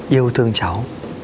yêu thương cháu